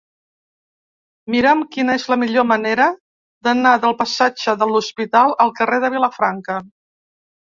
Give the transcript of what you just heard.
Mira'm quina és la millor manera d'anar del passatge de l'Hospital al carrer de Vilafranca.